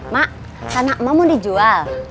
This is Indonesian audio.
mak anak emak mau dijual